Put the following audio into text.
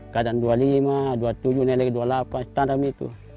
kadang dua puluh lima dua puluh tujuh nilai dua puluh delapan setandam itu